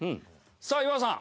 さあ岩尾さん！